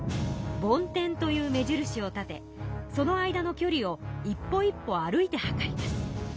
梵天という目印を立てその間の距離を一歩一歩歩いて測ります。